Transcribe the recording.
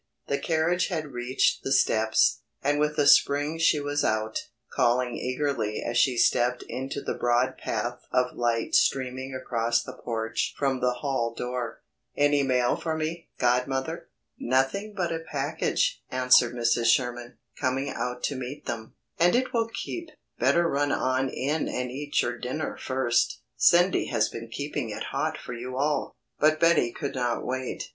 The carriage had reached the steps, and with a spring she was out, calling eagerly as she stepped into the broad path of light streaming across the porch from the hall door, "Any mail for me, godmother?" "Nothing but a package," answered Mrs. Sherman, coming out to meet them. "And it will keep. Better run on in and eat your dinner first. Cindy has been keeping it hot for you all." But Betty could not wait.